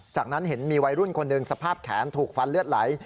จากนั้นเห็นมีวัยรุ่นคนหนึ่งสภาพแขนถูกฟันเลือดไหล